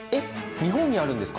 日本にあるんですか？